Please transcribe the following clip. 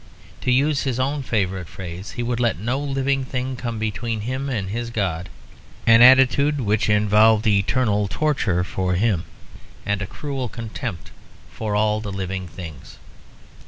To use his own favourite phrase, he would let no living thing come between him and his God; an attitude which involved eternal torture for him and a cruel contempt for all the living things.